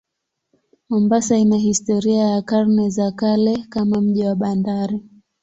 Mombasa ina historia ya karne za kale kama mji wa bandari.